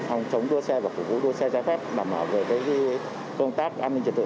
phòng chống đua xe và phục vụ đua xe trái phép đảm bảo về công tác an ninh trật tự